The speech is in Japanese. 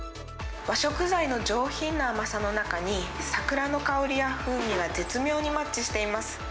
和食材の上品な甘さの中に、桜の香りや風味が絶妙にマッチしています。